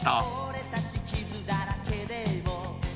「俺たち傷だらけでも」